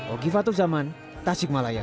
oki fatuh zaman tasik malaya